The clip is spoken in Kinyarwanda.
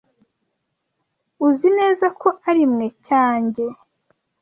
Uzi neza ko arimwe cyanjye?